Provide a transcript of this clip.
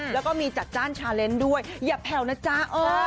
แล้วก็มีจัดจ้านชาเลนส์ด้วยอย่าแผ่วนะจ๊ะ